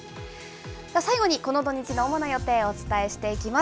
最後にこの土日の主な予定をお伝えしていきます。